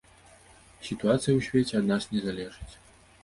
Сітуацыя ў свеце ад нас не залежыць.